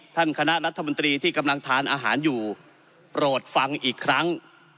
คณะรัฐมนตรีที่กำลังทานอาหารอยู่โปรดฟังอีกครั้ง